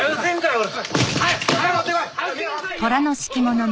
おい！